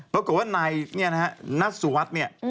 รวมกับว่านายนัสสุวัสดิ์